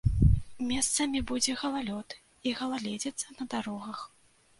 Месцамі будзе галалёд і галаледзіца на дарогах.